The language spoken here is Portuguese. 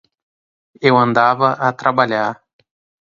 Eu andava a trabalhar.